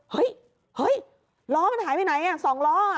เฮ้ยเฮ้ยล้อมันหายไปไหนอ่ะสองล้ออ่ะ